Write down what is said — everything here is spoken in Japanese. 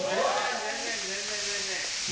全然全然全然全然。